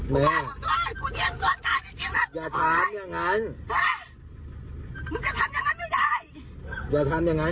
ไม่มีใครกักก็ไหร่หรอก